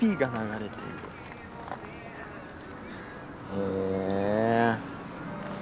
へえ。